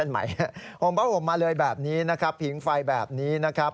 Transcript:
ห่มผ้าห่มมาเลยแบบนี้นะครับผิงไฟแบบนี้นะครับ